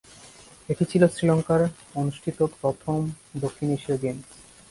এটি ছিল শ্রীলঙ্কায় অনুষ্ঠিত প্রথম দক্ষিণ এশীয় গেমস।